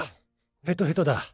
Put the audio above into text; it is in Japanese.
ヘトヘトだ。